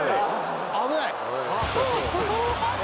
危ない。